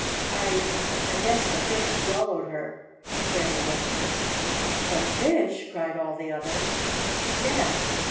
"I I guess the fish swallowed her," Freddie answered. "The fish!" cried all the others. "Yes.